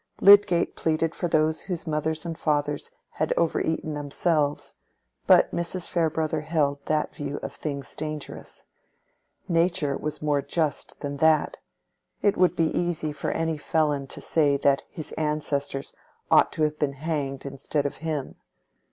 Lydgate pleaded for those whose fathers and mothers had over eaten themselves, but Mrs. Farebrother held that view of things dangerous: Nature was more just than that; it would be easy for any felon to say that his ancestors ought to have been hanged instead of him.